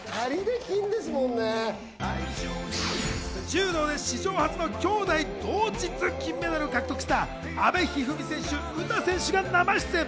柔道で史上初の兄妹同日金メダル獲得した阿部一二三選手、詩選手が生出演。